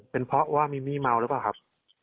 เป็นเพราะว่ามิมี่เมาหรือเปล่าครับ